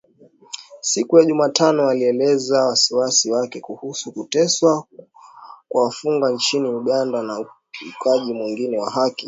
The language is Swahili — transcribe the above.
Siku ya Jumatano ,alielezea wasiwasi wake kuhusu kuteswa kwa wafungwa nchini Uganda na ukiukaji mwingine wa haki